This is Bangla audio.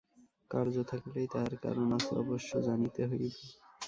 কার্য থাকিলেই তাহার কারণ আছে, অবশ্য জানিতে হইবে।